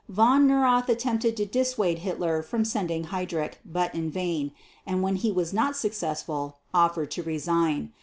Von Neurath attempted to dissuade Hitler from sending Heydrich, but in vain, and when he was not successful, offered to resign.